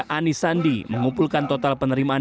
pasangan nomor urutiga anisandi mengumpulkan total penerimaan